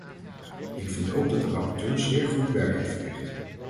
Ik vind ook dat de rapporteur zeer goed werk heeft verricht.